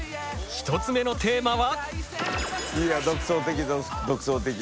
２つ目のテーマは。